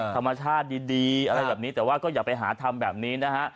ธรรมชาติดีอะไรแบบนี้แต่ว่าก็อย่าไปหาทำแบบนี้นะฮะ